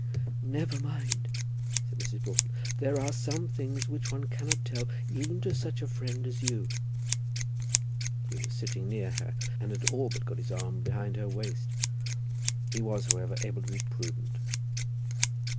"Never mind," said Mrs. Broughton. "There are some things which one cannot tell even to such a friend as you." He was sitting near her and had all but got his arm behind her waist. He was, however, able to be prudent.